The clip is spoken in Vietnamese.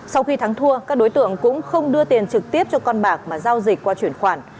sau khi thắng thua các đối tượng cũng không đưa tiền trực tiếp cho con bạc mà giao dịch qua chuyển khoản